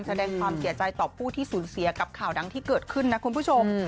แสดงความเสียใจต่อผู้ที่สูญเสียกับข่าวดังที่เกิดขึ้นนะคุณผู้ชม